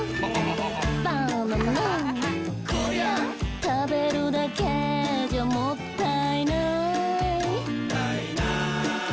「こりゃたべるだけじゃもったいない」もったいない！